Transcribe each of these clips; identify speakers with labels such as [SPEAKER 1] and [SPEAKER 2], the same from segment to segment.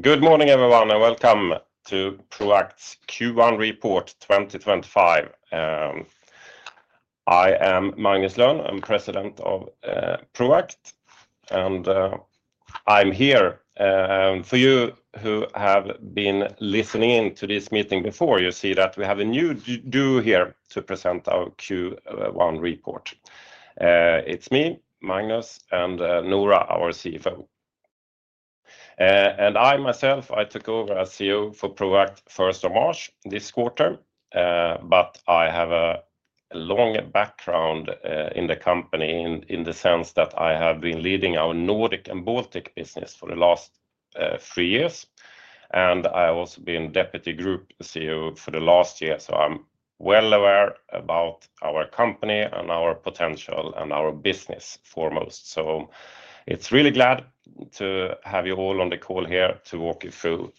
[SPEAKER 1] Good morning, everyone, and welcome to Proact's Q1 report 2025. I am Magnus Lönn, I'm President of Proact, and I'm here for you who have been listening to this meeting before. You see that we have a new dude here to present our Q1 report. It's me, Magnus, and Noora, our CFO. And I myself, I took over as CEO for Proact first of March this quarter, but I have a long background in the company in the sense that I have been leading our Nordic and Baltic business for the last three years. I have also been Deputy Group CEO for the last year, so I'm well aware about our company and our potential and our business foremost. It's really glad to have you all on the call here to walk you through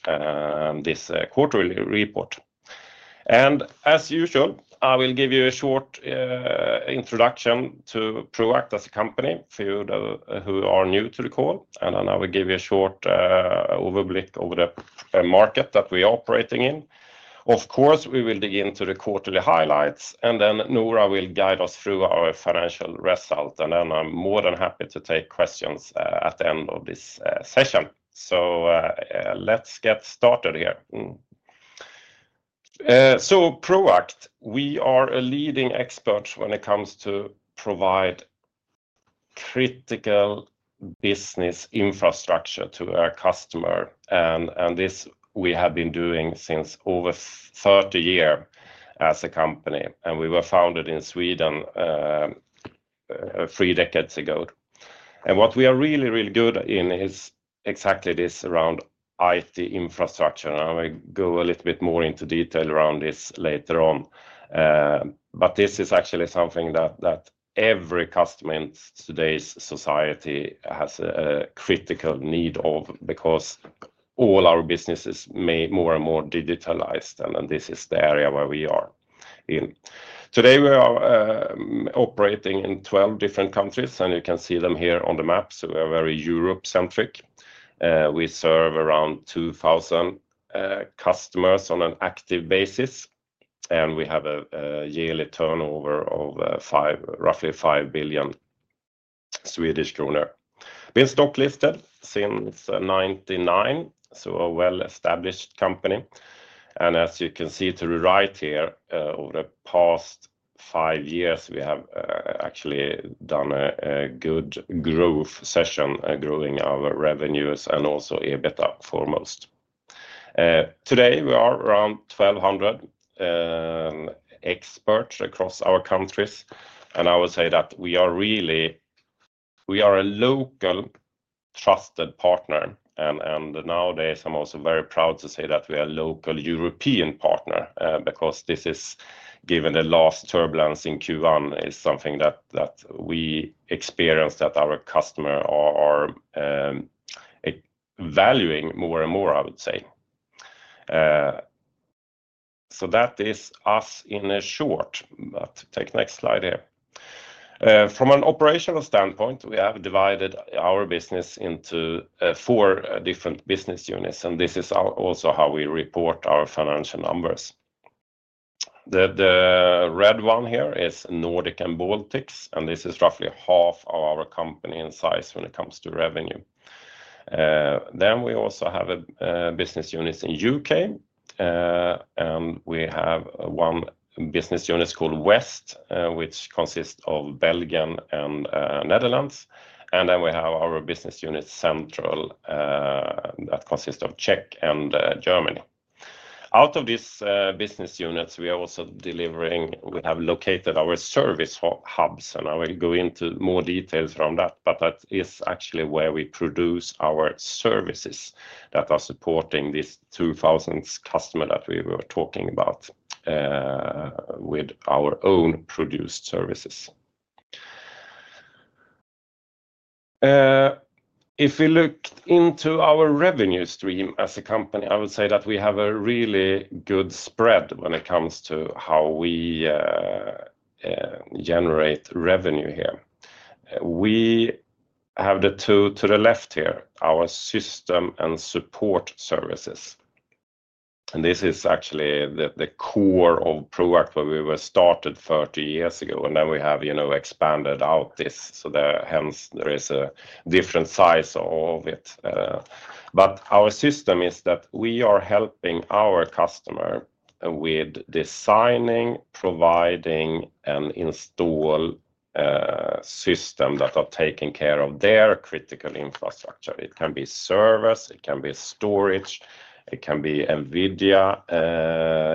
[SPEAKER 1] this quarterly report. I will give you a short introduction to Proact as a company for you who are new to the call, and then I will give you a short overview of the market that we are operating in. Of course, we will dig into the quarterly highlights, and then Noora will guide us through our financial result, and then I'm more than happy to take questions at the end of this session. Let's get started here. Proact, we are a leading expert when it comes to providing critical business infrastructure to our customer, and this we have been doing for over 30 years as a company. We were founded in Sweden three decades ago. What we are really, really good in is exactly this around IT infrastructure, and I will go a little bit more into detail around this later on. This is actually something that every customer in today's society has a critical need of because all our businesses may be more and more digitalized, and this is the area where we are in. Today we are operating in 12 different countries, and you can see them here on the map, so we are very Europe-centric. We serve around 2,000 customers on an active basis, and we have a yearly turnover of roughly 5 billion Swedish kronor. We have been stocklisted since 1999, so a well-established company. As you can see to the right here, over the past five years, we have actually done a good growth session, growing our revenues and also EBITDA foremost. Today we are around 1,200 experts across our countries, and I would say that we are really, we are a local trusted partner. Nowadays I'm also very proud to say that we are a local European partner because this is, given the last turbulence in Q1, something that we experience that our customers are valuing more and more, I would say. That is us in short, but take the next slide here. From an operational standpoint, we have divided our business into four different business units, and this is also how we report our financial numbers. The red one here is Nordic and Baltics, and this is roughly half of our company in size when it comes to revenue. We also have business units in the U.K., and we have one business unit called West, which consists of Belgium and Netherlands. We have our business unit Central that consists of Czech Republic and Germany. Out of these business units, we are also delivering, we have located our service hubs, and I will go into more details around that, but that is actually where we produce our services that are supporting these 2,000 customers that we were talking about with our own produced services. If we look into our revenue stream as a company, I would say that we have a really good spread when it comes to how we generate revenue here. We have the two to the left here, our system and support services. This is actually the core of Proact where we were started 30 years ago, and then we have expanded out this, so hence there is a different size of it. Our system is that we are helping our customer with designing, providing, and installing a system that is taking care of their critical infrastructure. It can be servers, it can be storage, it can be Nvidia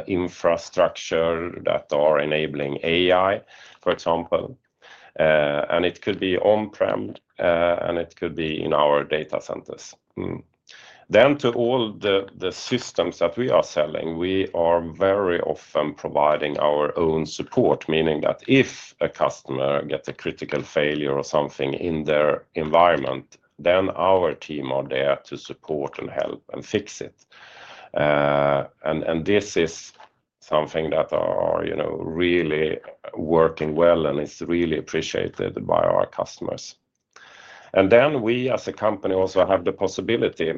[SPEAKER 1] infrastructure that is enabling AI, for example. It could be on-prem, and it could be in our data centers. To all the systems that we are selling, we are very often providing our own support, meaning that if a customer gets a critical failure or something in their environment, our team is there to support and help and fix it. This is something that is really working well and is really appreciated by our customers. We as a company also have the possibility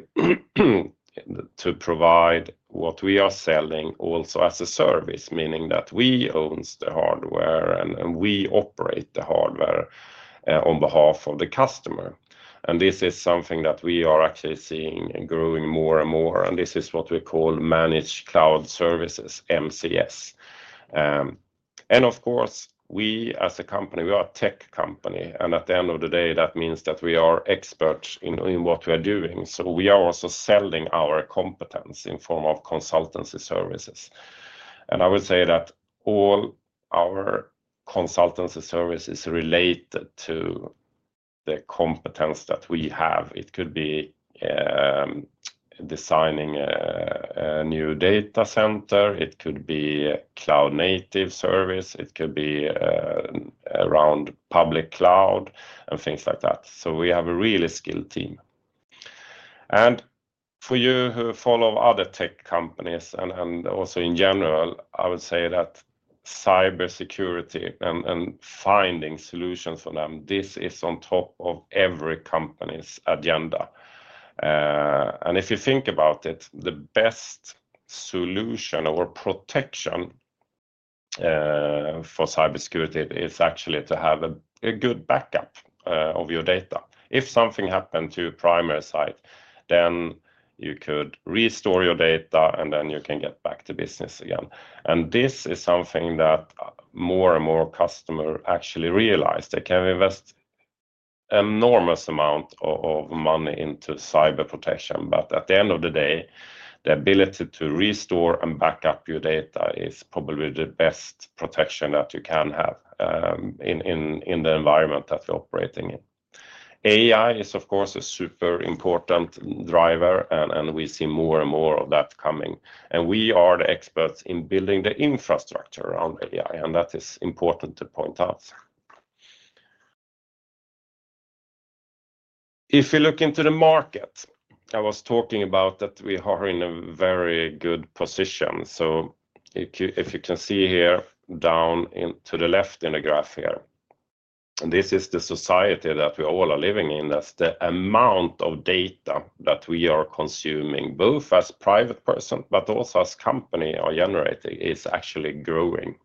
[SPEAKER 1] to provide what we are selling also as a service, meaning that we own the hardware and we operate the hardware on behalf of the customer. This is something that we are actually seeing growing more and more, and this is what we call managed cloud services, MCS. Of course, we as a company, we are a tech company, and at the end of the day, that means that we are experts in what we are doing. We are also selling our competence in the form of consultancy services. I would say that all our consultancy services are related to the competence that we have. It could be designing a new data center, it could be cloud-native service, it could be around public cloud, and things like that. We have a really skilled team. For you who follow other tech companies and also in general, I would say that cybersecurity and finding solutions for them, this is on top of every company's agenda. If you think about it, the best solution or protection for cybersecurity is actually to have a good backup of your data. If something happened to your primary site, then you could restore your data and then you can get back to business again. This is something that more and more customers actually realize. They can invest an enormous amount of money into cyber protection, but at the end of the day, the ability to restore and back up your data is probably the best protection that you can have in the environment that you're operating in. AI is, of course, a super important driver, and we see more and more of that coming. We are the experts in building the infrastructure around AI, and that is important to point out. If you look into the market, I was talking about that we are in a very good position. If you can see here down to the left in the graph here, this is the society that we all are living in, that the amount of data that we are consuming, both as private persons but also as a company are generating, is actually growing.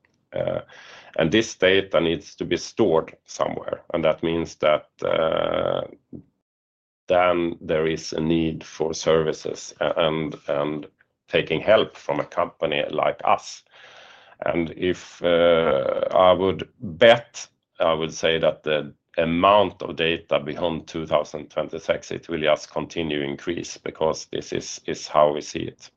[SPEAKER 1] This data needs to be stored somewhere, and that means that then there is a need for services and taking help from a company like us. If I would bet, I would say that the amount of data beyond 2026, it will just continue to increase because this is how we see it.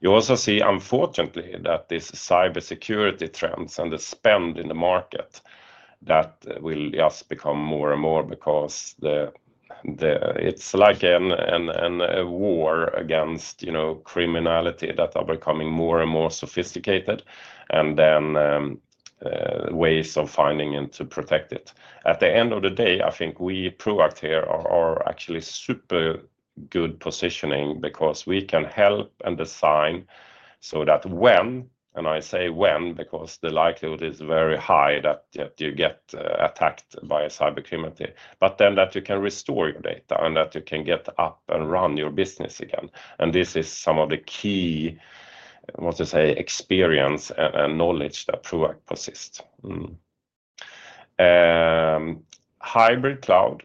[SPEAKER 1] You also see, unfortunately, that these cybersecurity trends and the spend in the market that will just become more and more because it's like a war against criminality that is becoming more and more sophisticated, and then ways of finding and to protect it. At the end of the day, I think we Proact here are actually super good positioning because we can help and design so that when, and I say when because the likelihood is very high that you get attacked by cybercriminality, you can restore your data and you can get up and run your business again. This is some of the key, what to say, experience and knowledge that Proact possesses. Hybrid cloud,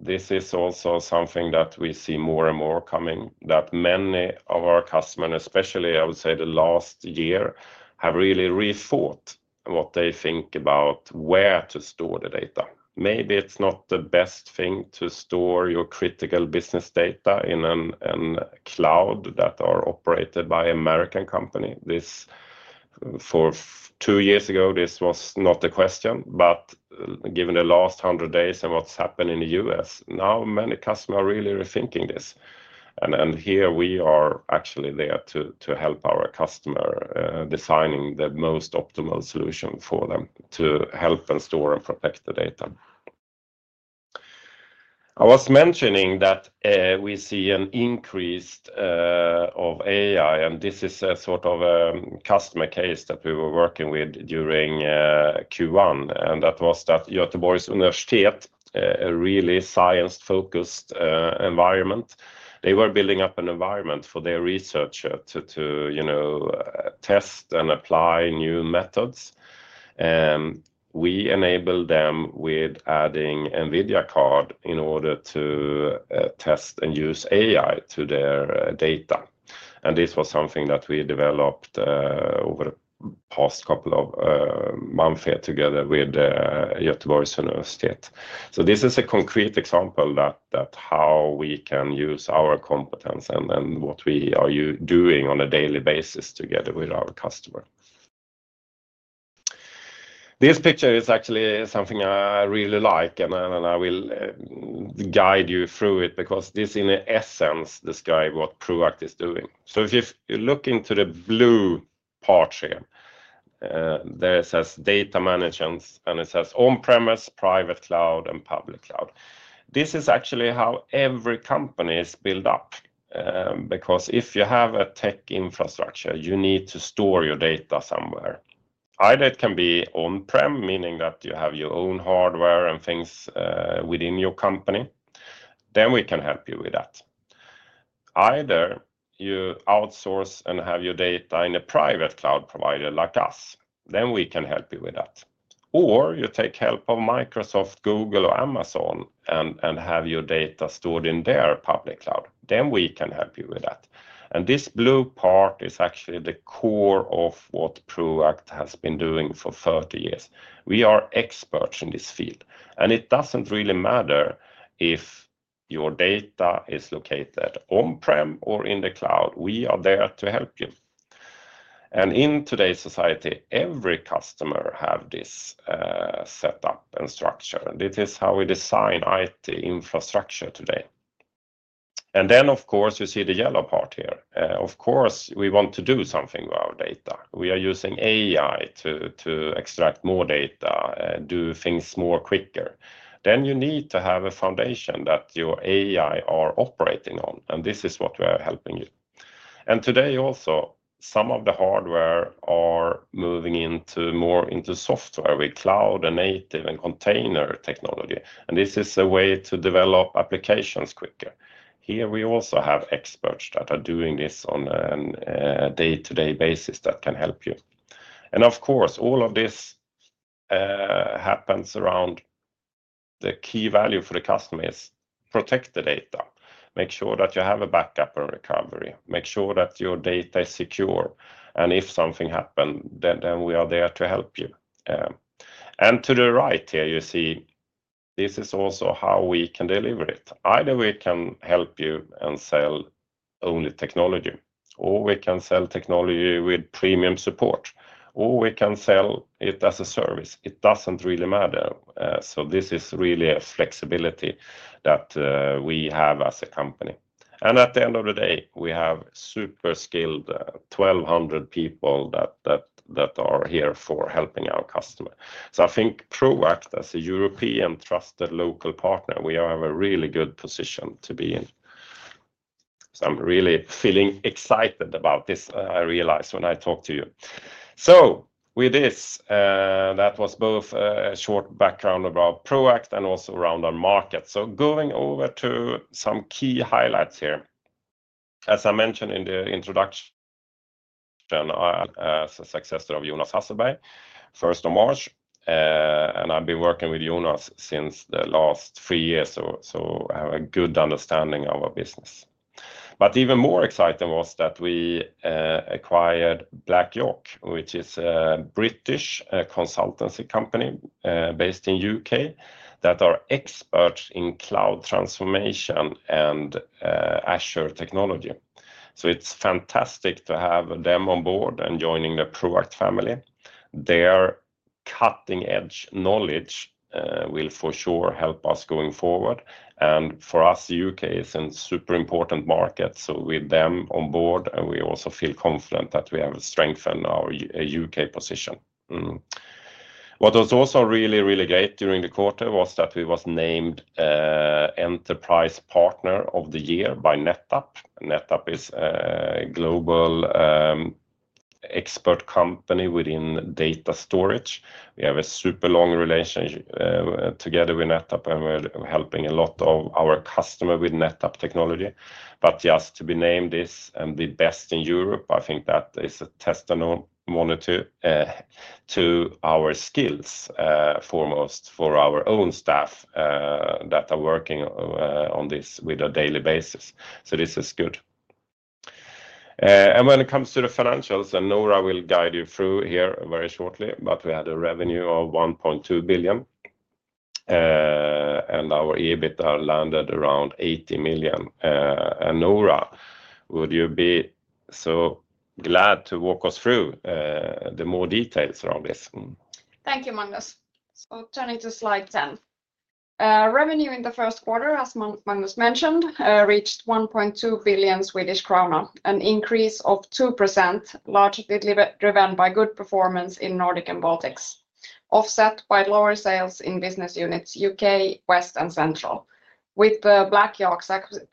[SPEAKER 1] this is also something that we see more and more coming, that many of our customers, especially I would say the last year, have really rethought what they think about where to store the data. Maybe it is not the best thing to store your critical business data in a cloud that is operated by an American company. Two years ago, this was not the question, but given the last 100 days and what's happened in the U.S., now many customers are really rethinking this. Here we are actually there to help our customers designing the most optimal solution for them to help and store and protect the data. I was mentioning that we see an increase of AI, and this is a sort of a customer case that we were working with during Q1, and that was that Göteborgs Universitet, a really science-focused environment. They were building up an environment for their research to test and apply new methods. We enabled them with adding Nvidia card in order to test and use AI to their data. This was something that we developed over the past couple of months here together with Göteborgs Universitet. This is a concrete example of how we can use our competence and what we are doing on a daily basis together with our customers. This picture is actually something I really like, and I will guide you through it because this in essence describes what Proact is doing. If you look into the blue part here, there it says data management, and it says on-premise, private cloud, and public cloud. This is actually how every company is built up because if you have a tech infrastructure, you need to store your data somewhere. Either it can be on-prem, meaning that you have your own hardware and things within your company, then we can help you with that. Either you outsource and have your data in a private cloud provider like us, then we can help you with that. You take help of Microsoft, Google, or Amazon and have your data stored in their public cloud, then we can help you with that. This blue part is actually the core of what Proact has been doing for 30 years. We are experts in this field, and it does not really matter if your data is located on-prem or in the cloud, we are there to help you. In today's society, every customer has this setup and structure, and this is how we design IT infrastructure today. Of course, you see the yellow part here. Of course, we want to do something with our data. We are using AI to extract more data, do things more quicker. You need to have a foundation that your AI is operating on, and this is what we are helping you. Today also, some of the hardware is moving more into software with cloud-native and container technology, and this is a way to develop applications quicker. Here we also have experts that are doing this on a day-to-day basis that can help you. Of course, all of this happens around the key value for the customer, which is to protect the data, make sure that you have backup and recovery, make sure that your data is secure, and if something happens, then we are there to help you. To the right here, you see this is also how we can deliver it. Either we can help you and sell only technology, or we can sell technology with premium support, or we can sell it as a service. It does not really matter. This is really a flexibility that we have as a company. At the end of the day, we have super skilled 1,200 people that are here for helping our customers. I think Proact, as a European trusted local partner, we have a really good position to be in. I'm really feeling excited about this, I realize when I talk to you. With this, that was both a short background about Proact and also around our market. Going over to some key highlights here. As I mentioned in the introduction, I am the successor of Jonas Hasselberg first of March, and I've been working with Jonas since the last three years, so I have a good understanding of our business. Even more exciting was that we acquired BlakYaks, which is a British consultancy company based in the U.K. that is an expert in cloud transformation and Azure technology. It is fantastic to have them on board and joining the Proact family. Their cutting-edge knowledge will for sure help us going forward, and for us, the U.K. is a super important market, so with them on board, we also feel confident that we have strengthened our U.K. position. What was also really, really great during the quarter was that we were named Enterprise Partner of the Year by NetApp. NetApp is a global expert company within data storage. We have a super long relationship together with NetApp, and we are helping a lot of our customers with NetApp technology. Just to be named this and be best in Europe, I think that is a testament to our skills foremost for our own staff that are working on this on a daily basis. This is good. When it comes to the financials, and Noora will guide you through here very shortly, we had a revenue of 1.2 billion, and our EBITDA landed around 80 million. Noora, would you be so glad to walk us through the more details around this?
[SPEAKER 2] Thank you, Magnus. Turning to slide 10, revenue in the first quarter, as Magnus mentioned, reached 1.2 billion Swedish krona, an increase of 2%, largely driven by good performance in Nordic and Baltics, offset by lower sales in business units U.K., West, and Central, with the BlackYork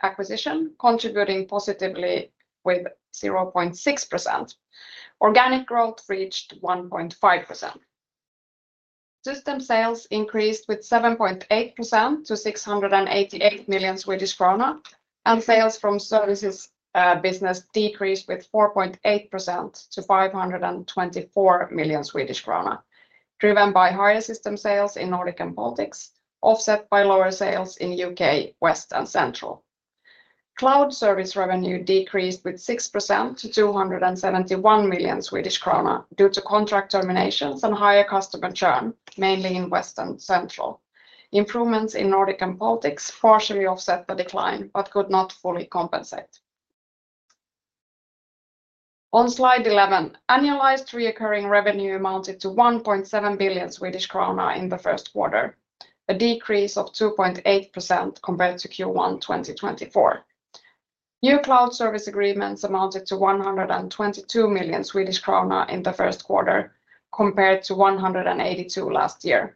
[SPEAKER 2] acquisition contributing positively with 0.6%. Organic growth reached 1.5%. System sales increased 7.8% to 688 million Swedish krona, and sales from services business decreased 4.8% to 524 million Swedish krona, driven by higher system sales in Nordic and Baltics, offset by lower sales in U.K., West, and Central. Cloud service revenue decreased with 6% to 271 million Swedish krona due to contract terminations and higher customer churn, mainly in West and Central. Improvements in Nordic and Baltics partially offset the decline but could not fully compensate. On slide 11, annualized recurring revenue amounted to 1.7 billion Swedish krona in the first quarter, a decrease of 2.8% compared to Q1 2024. New cloud service agreements amounted to 122 million Swedish krona in the first quarter, compared to 182 million last year.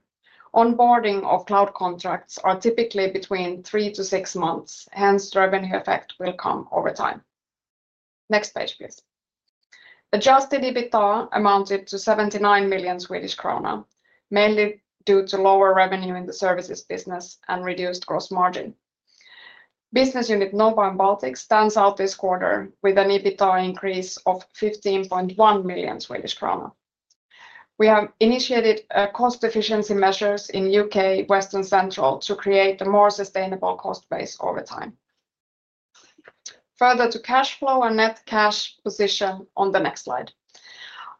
[SPEAKER 2] Onboarding of cloud contracts is typically between three to six months, hence revenue effect will come over time. Next page, please. Adjusted EBITDA amounted to 79 million Swedish kronor, mainly due to lower revenue in the services business and reduced gross margin. Business unit Nova in Baltics stands out this quarter with an EBITDA increase of 15.1 million Swedish krona. We have initiated cost efficiency measures in the U.K., West, and Central to create a more sustainable cost base over time. Further to cash flow and net cash position on the next slide.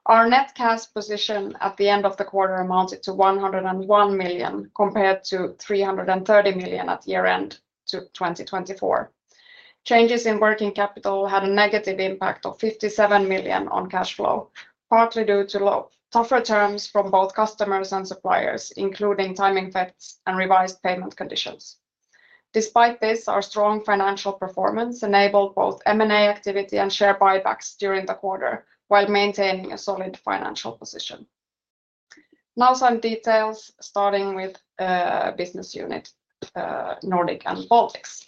[SPEAKER 2] Our net cash position at the end of the quarter amounted to 101 million compared to 330 million at year-end 2024. Changes in working capital had a negative impact of 57 million on cash flow, partly due to tougher terms from both customers and suppliers, including timing effects and revised payment conditions. Despite this, our strong financial performance enabled both M&A activity and share buybacks during the quarter while maintaining a solid financial position. Now some details starting with business unit Nordic and Baltics.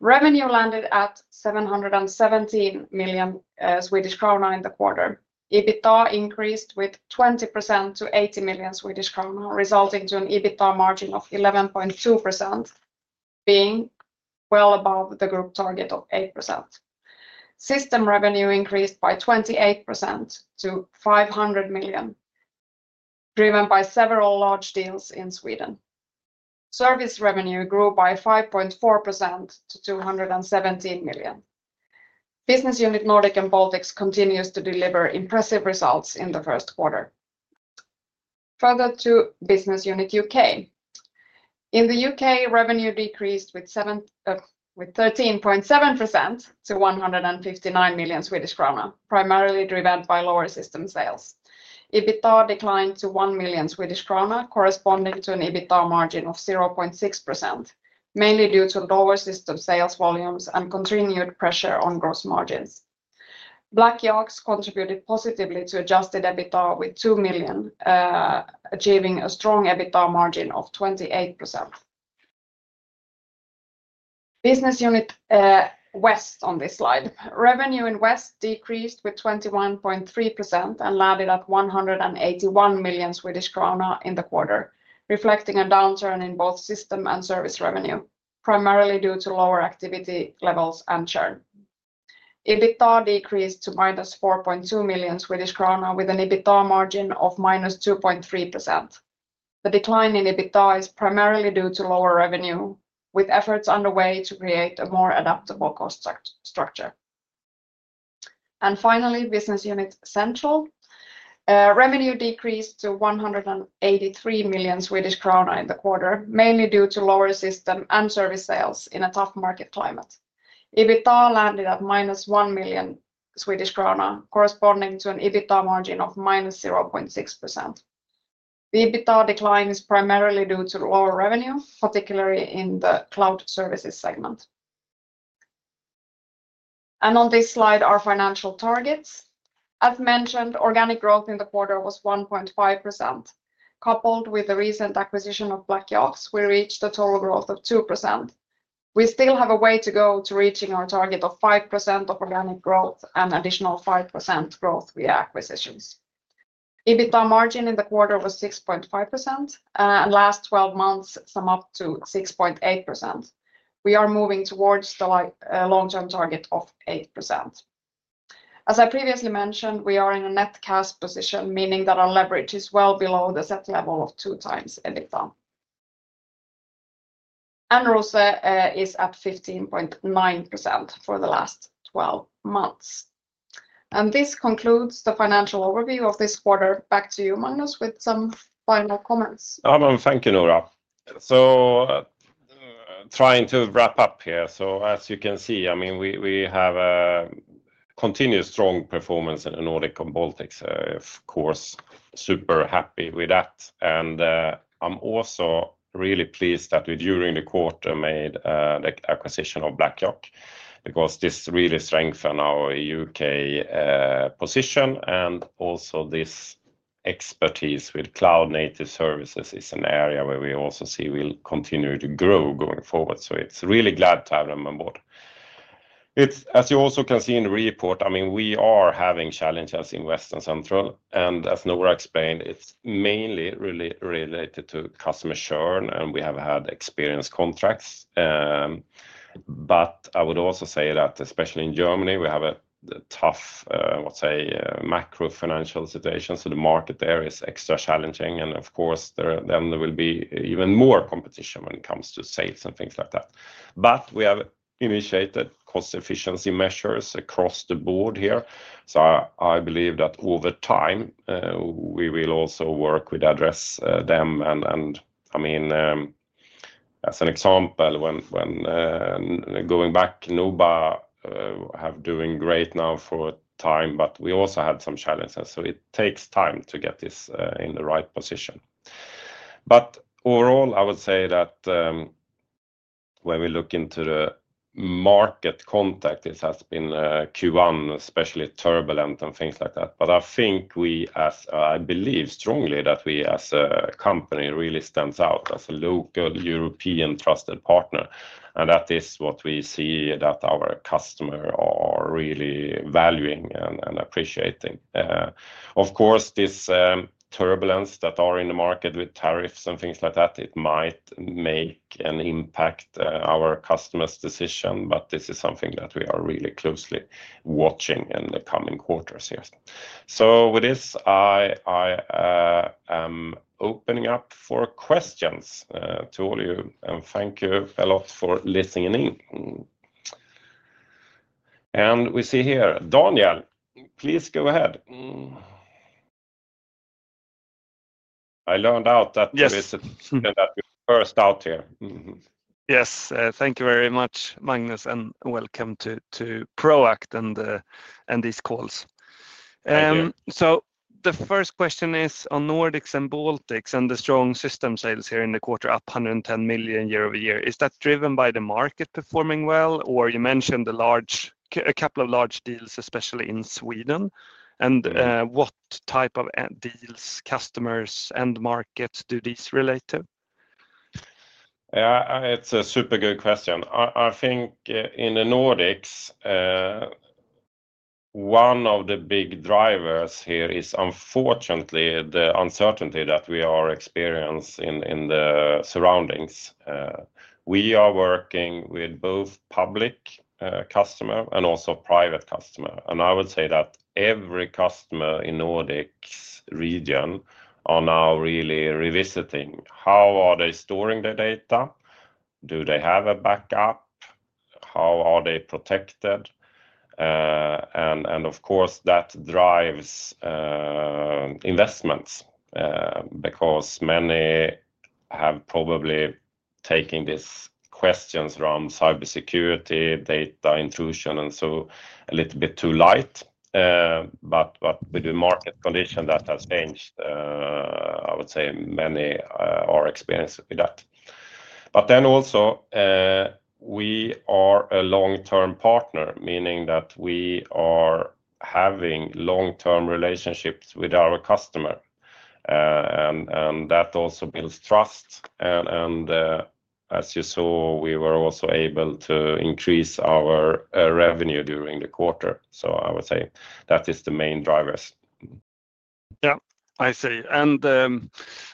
[SPEAKER 2] Revenue landed at 717 million Swedish krona in the quarter. EBITDA increased with 20% to 80 million Swedish kronor, resulting in an EBITDA margin of 11.2%, being well above the group target of 8%. System revenue increased by 28% to 500 million, driven by several large deals in Sweden. Service revenue grew by 5.4% to 217 million. Business unit Nordic and Baltics continues to deliver impressive results in the first quarter. Further to business unit U.K. In the U.K., revenue decreased with 13.7% to 159 million Swedish krona, primarily driven by lower system sales. EBITDA declined to 1 million Swedish krona, corresponding to an EBITDA margin of 0.6%, mainly due to lower system sales volumes and continued pressure on gross margins. BlackYork contributed positively to adjusted EBITDA with 2 million, achieving a strong EBITDA margin of 28%. Business unit West on this slide. Revenue in West decreased with 21.3% and landed at 181 million Swedish krona in the quarter, reflecting a downturn in both system and service revenue, primarily due to lower activity levels and churn. EBITDA decreased to minus 4.2 million Swedish krona with an EBITDA margin of minus 2.3%. The decline in EBITDA is primarily due to lower revenue, with efforts underway to create a more adaptable cost structure. Finally, business unit Central. Revenue decreased to 183 million Swedish kronor in the quarter, mainly due to lower system and service sales in a tough market climate. EBITDA landed at minus 1 million Swedish krona, corresponding to an EBITDA margin of minus 0.6%. The EBITDA decline is primarily due to lower revenue, particularly in the cloud services segment. On this slide, our financial targets. As mentioned, organic growth in the quarter was 1.5%. Coupled with the recent acquisition of BlackYork, we reached a total growth of 2%. We still have a way to go to reaching our target of 5% of organic growth and additional 5% growth via acquisitions. EBITDA margin in the quarter was 6.5%, and last 12 months sum up to 6.8%. We are moving towards the long-term target of 8%. As I previously mentioned, we are in a net cash position, meaning that our leverage is well below the set level of two times EBITDA. And ROCE is at 15.9% for the last 12 months. This concludes the financial overview of this quarter. Back to you, Magnus, with some final comments.
[SPEAKER 1] Thank you, Noora. Trying to wrap up here. As you can see, I mean, we have a continued strong performance in the Nordic and Baltics, of course. Super happy with that. I am also really pleased that during the quarter we made the acquisition of BlackYork because this really strengthened our U.K. position. Also, this expertise with cloud-native services is an area where we also see we will continue to grow going forward. I am really glad to have them on board. As you also can see in the report, I mean, we are having challenges in West and Central. As Noora explained, it is mainly really related to customer churn, and we have had experienced contracts. I would also say that especially in Germany, we have a tough, I would say, macro financial situation. The market there is extra challenging. Of course, there will be even more competition when it comes to sales and things like that. We have initiated cost efficiency measures across the board here. I believe that over time, we will also work with address them. I mean, as an example, going back, Noora have been doing great now for a time, but we also had some challenges. It takes time to get this in the right position. Overall, I would say that when we look into the market context, it has been Q1 especially turbulent and things like that. I think we, as I believe strongly that we as a company really stand out as a local European trusted partner. That is what we see that our customers are really valuing and appreciating. Of course, this turbulence that is in the market with tariffs and things like that, it might make an impact on our customers' decision, but this is something that we are really closely watching in the coming quarters here. With this, I am opening up for questions to all of you, and thank you a lot for listening in. We see here, Daniel, please go ahead. I learned out that there is a first out here. Yes, thank you very much, Magnus, and welcome to Proact and these calls. The first question is on Nordics and Baltics and the strong system sales here in the quarter, up 110 million year over year. Is that driven by the market performing well, or you mentioned a couple of large deals, especially in Sweden? What type of deals, customers, and markets do these relate to? It's a super good question. I think in the Nordics, one of the big drivers here is unfortunately the uncertainty that we are experiencing in the surroundings. We are working with both public customers and also private customers. I would say that every customer in the Nordics region is now really revisiting how they are storing their data, do they have a backup, how are they protected. Of course, that drives investments because many have probably taken these questions around cybersecurity, data intrusion, and so a little bit too light. With the market condition that has changed, I would say many are experiencing that. We are a long-term partner, meaning that we are having long-term relationships with our customers. That also builds trust. As you saw, we were also able to increase our revenue during the quarter. I would say that is the main drivers. Yeah, I see.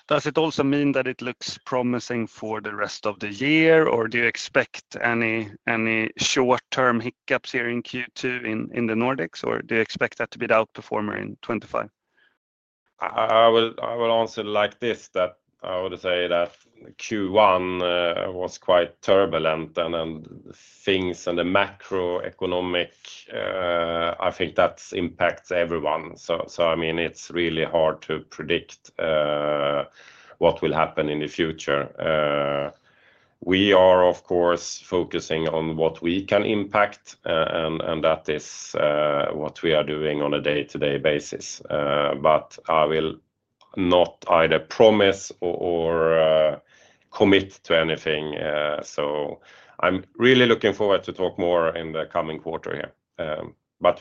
[SPEAKER 1] Does it also mean that it looks promising for the rest of the year, or do you expect any short-term hiccups here in Q2 in the Nordics, or do you expect that to be the outperformer in 2025? I will answer like this, that I would say that Q1 was quite turbulent, and things and the macroeconomic, I think that impacts everyone. I mean, it's really hard to predict what will happen in the future. We are, of course, focusing on what we can impact, and that is what we are doing on a day-to-day basis. I will not either promise or commit to anything. I am really looking forward to talk more in the coming quarter here.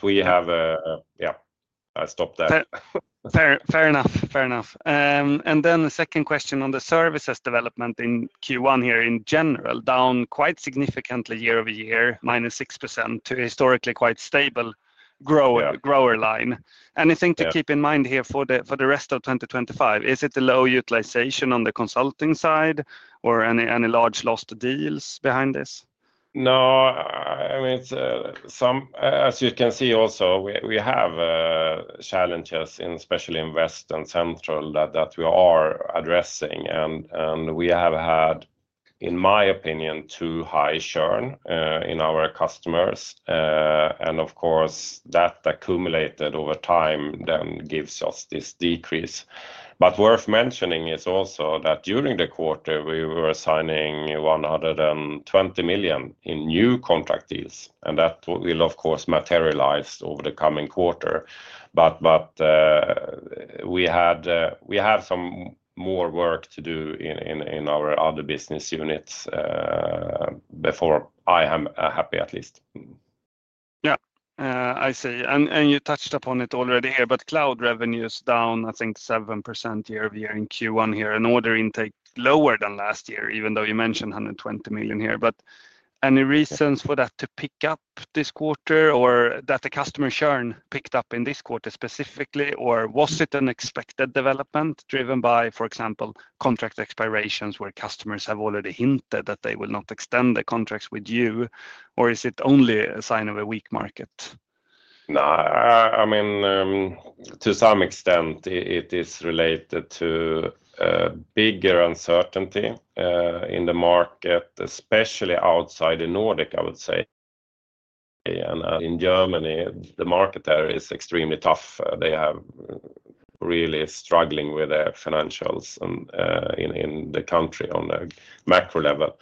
[SPEAKER 1] We have, yeah, I stop there. Fair enough. Fair enough. The second question on the services development in Q1 here in general, down quite significantly year over year, minus 6% to a historically quite stable grower line. Anything to keep in mind here for the rest of 2025? Is it the low utilization on the consulting side or any large lost deals behind this? No, I mean, as you can see also, we have challenges especially in West and Central that we are addressing. We have had, in my opinion, too high churn in our customers. Of course, that accumulated over time then gives us this decrease. Worth mentioning is also that during the quarter, we were signing 120 million in new contract deals. That will, of course, materialize over the coming quarter. We have some more work to do in our other business units before I am happy at least. Yeah, I see. You touched upon it already here, but cloud revenues down, I think, 7% year over year in Q1 here, and order intake lower than last year, even though you mentioned 120 million here. Any reasons for that to pick up this quarter, or that the customer churn picked up in this quarter specifically, or was it an expected development driven by, for example, contract expirations where customers have already hinted that they will not extend the contracts with you, or is it only a sign of a weak market? No, I mean, to some extent, it is related to bigger uncertainty in the market, especially outside the Nordic, I would say. In Germany, the market there is extremely tough. They are really struggling with their financials in the country on a macro level.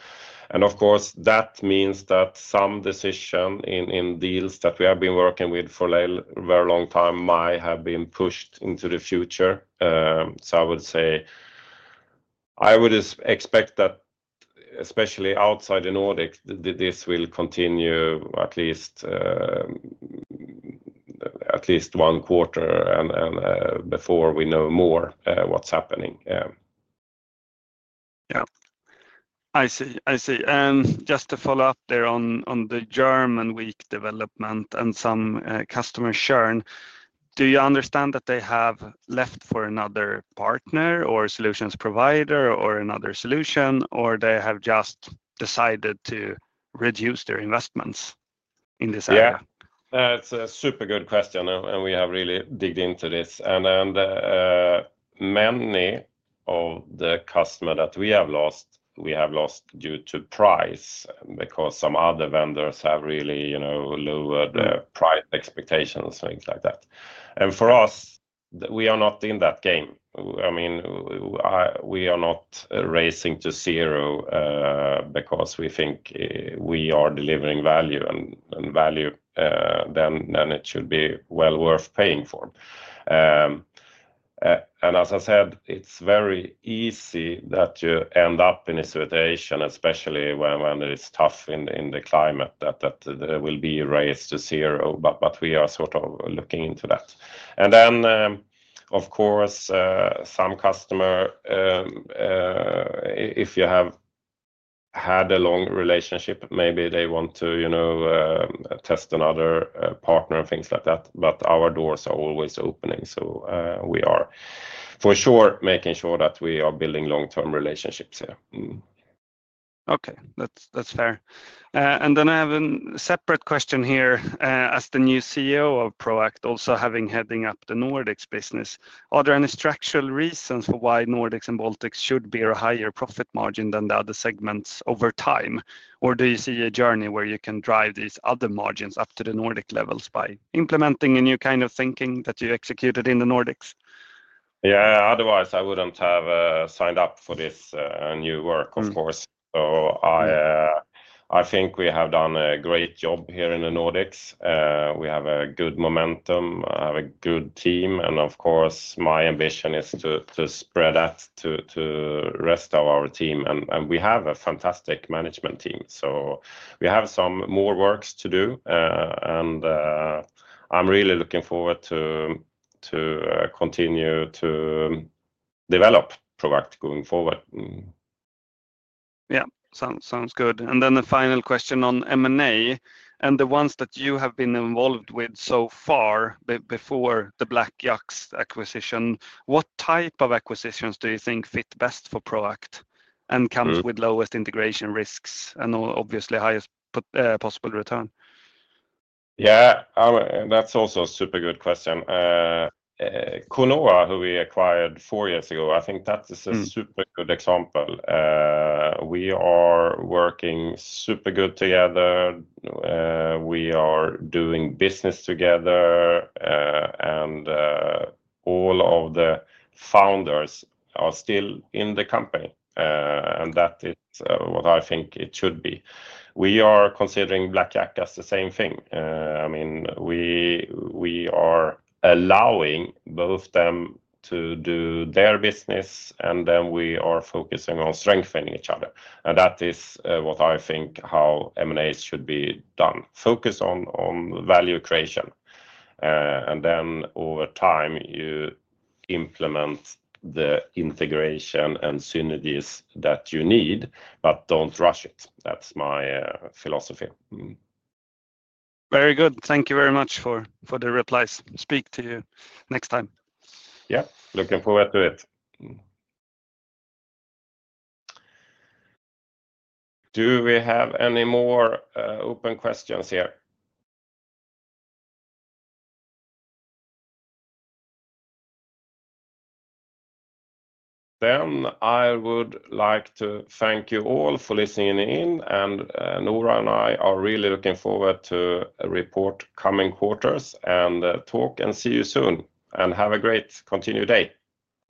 [SPEAKER 1] Of course, that means that some decisions in deals that we have been working with for a very long time might have been pushed into the future. I would say I would expect that especially outside the Nordics, this will continue at least one quarter before we know more what's happening. Yeah. I see. I see. Just to follow up there on the German weak development and some customer churn, do you understand that they have left for another partner or solutions provider or another solution, or they have just decided to reduce their investments in this area? Yeah, it's a super good question, and we have really dug into this. Many of the customers that we have lost, we have lost due to price because some other vendors have really lowered price expectations, things like that. For us, we are not in that game. I mean, we are not racing to zero because we think we are delivering value, and value, then it should be well worth paying for. As I said, it's very easy that you end up in a situation, especially when it is tough in the climate, that there will be a race to zero. We are sort of looking into that. Of course, some customers, if you have had a long relationship, maybe they want to test another partner and things like that. Our doors are always opening. We are, for sure, making sure that we are building long-term relationships here. Okay, that's fair. I have a separate question here. As the new CEO of Proact, also heading up the Nordics business, are there any structural reasons for why Nordics and Baltics should bear a higher profit margin than the other segments over time? Or do you see a journey where you can drive these other margins up to the Nordic levels by implementing a new kind of thinking that you executed in the Nordics?
[SPEAKER 2] Yeah, otherwise, I wouldn't have signed up for this new work, of course. I think we have done a great job here in the Nordics. We have a good momentum, have a good team. Of course, my ambition is to spread that to the rest of our team. We have a fantastic management team. We have some more work to do. I'm really looking forward to continue to develop Proact going forward.
[SPEAKER 1] Yeah, sounds good. Then the final question on M&A and the ones that you have been involved with so far before the BlackYork acquisition, what type of acquisitions do you think fit best for Proact and comes with lowest integration risks and obviously highest possible return? Yeah, that's also a super good question. Konora, who we acquired four years ago, I think that is a super good example. We are working super good together. We are doing business together. All of the founders are still in the company. That is what I think it should be. We are considering BlackYork as the same thing. I mean, we are allowing both of them to do their business, and we are focusing on strengthening each other. That is what I think how M&As should be done. Focus on value creation. Over time, you implement the integration and synergies that you need, but do not rush it. That is my philosophy. Very good. Thank you very much for the replies. Speak to you next time. Yeah, looking forward to it. Do we have any more open questions here? I would like to thank you all for listening in. Noora and I are really looking forward to a report coming quarters. Talk and see you soon. Have a great continued day.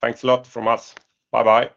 [SPEAKER 1] Thanks a lot from us. Bye-bye.